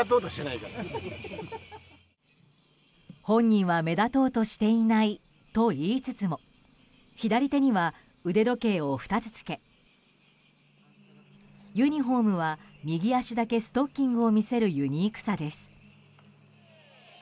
本人は目立とうとしていないと言いつつも左手には腕時計を２つ着けユニホームは右足だけストッキングを見せるユニークさです。